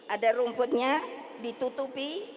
ada rumputnya ditutupi